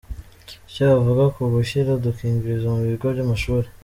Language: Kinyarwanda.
Icyo avuga ku gushyira udukingirizo mu bigo by’amashuri.